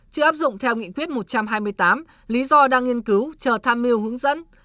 chưa áp dụng theo nghị quyết một trăm hai mươi tám lý do đang nghiên cứu chờ tham mưu hướng dẫn